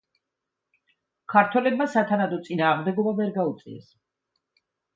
ქართველებმა სათანადო წინააღმდეგობა ვერ გაუწიეს.